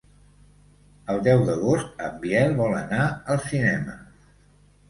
El deu d'agost en Biel vol anar al cinema.